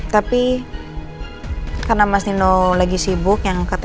tapi karena mas nino lagi sibuk yang ketemu